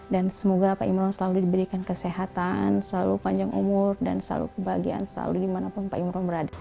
dan semoga pak imran selalu diberikan kesehatan selalu panjang umur dan selalu kebahagiaan selalu dimanapun pak imran berada